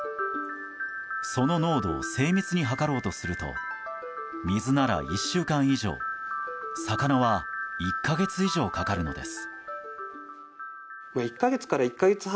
その濃度を精密に測ろうとすると水なら１週間以上魚は１か月以上かかるのです。